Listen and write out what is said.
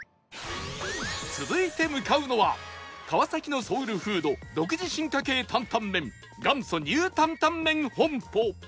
続いて向かうのは川崎のソウルフード独自進化系タンタンメン元祖ニュータンタンメン本舗